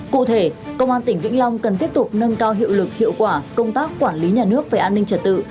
cụ thể công an tỉnh vĩnh long cần tiếp tục nâng cao hiệu lực hiệu quả công tác quản lý nhà nước về an ninh trật tự